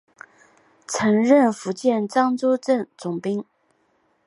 曾任福建漳州镇总兵。